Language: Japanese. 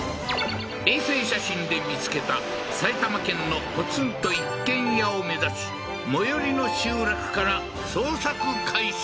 衛星写真で見つけた埼玉県のポツンと一軒家を目指し最寄りの集落から捜索開始